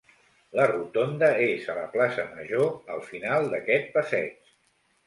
La rotonda és a la plaça Major, al final d'aquest passeig.